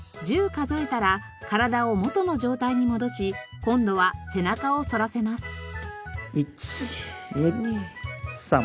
１０数えたら体を元の状態に戻し今度は背中を反らせます。